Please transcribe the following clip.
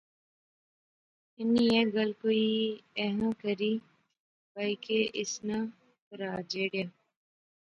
انی ایہہ گل کوئی ایہھاں کری بائی کہ اس ناں پرھا جیہڑا